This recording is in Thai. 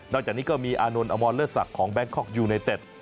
จากนี้ก็มีอานนท์อมรเลิศศักดิ์ของแบงคอกยูไนเต็ด